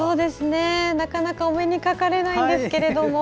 なかなかお目にかかれないんですけれども。